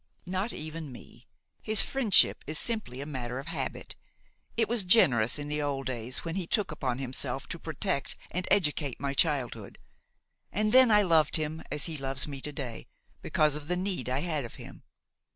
"Not even me. His friendship is simply a matter of habit; it was generous in the old days when he took upon himself to protect and educate my childhood, and then I loved him as he loves me to day because of the need I had of him.